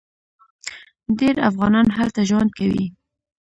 ډیر افغانان هلته ژوند کوي.